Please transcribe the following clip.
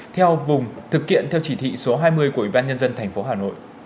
theo vùng thực hiện theo chỉ thị số hai mươi của ủy ban nhân dân thành phố hà nội